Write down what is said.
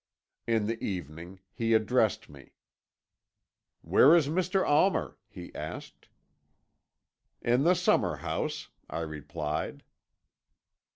In the evening he addressed me. "'Where is Mr. Almer?' he asked. "'In the summer house,' I replied.